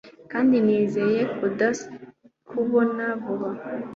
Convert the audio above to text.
kandi nizeye kuzakubona vuba